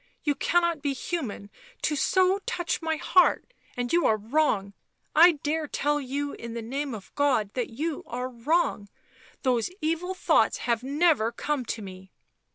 " You cannot be human to so touch my heart, and you are wrong, I dare tell you in the name of God that you are wrong — those evil thoughts have never come to me."